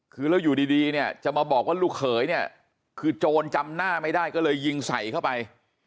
คือแล้วอยู่ดีเนี่ยจะมาบอกว่าลูกเขยเนี่ยคือโจรจำหน้าไม่ได้ก็เลยยิงใส่เข้าไป